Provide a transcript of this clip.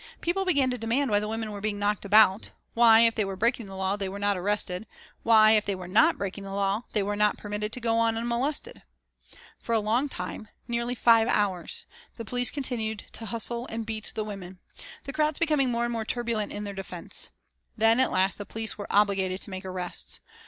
People began to demand why the women were being knocked about; why, if they were breaking the law, they were not arrested; why, if they were not breaking the law, they were not permitted to go on unmolested. For a long time, nearly five hours, the police continued to hustle and beat the women, the crowds becoming more and more turbulent in their defence. Then, at last the police were obliged to make arrests.